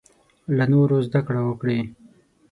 له نورو زده کړه وکړې.